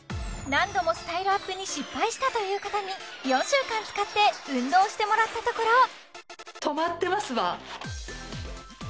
何度もスタイルアップに失敗したという方に４週間使って運動してもらったところわあ